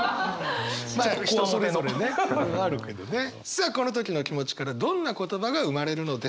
さあこの時の気持ちからどんな言葉が生まれるのでしょうか？